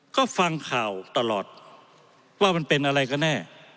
ก็ฟังข่าวตลอดว่ามันเป็นอะไรก็แน่